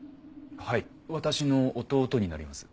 はい私の弟になります。